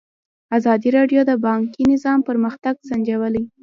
ازادي راډیو د بانکي نظام پرمختګ سنجولی.